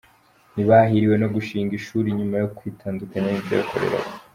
Ntibahiriwe no gushinga ishuri nyuma kwitandukanya n’iryo bakoreraga